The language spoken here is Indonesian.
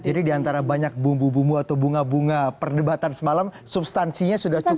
jadi diantara banyak bumbu bumbu atau bunga bunga perdebatan semalam substansinya sudah cukup